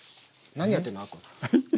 何やってんの。